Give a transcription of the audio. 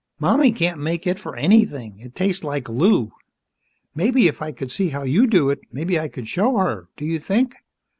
Mommy can't make it for anything it tastes like glue. Maybe, if I could see how you do it, maybe I could show her. Do you think?"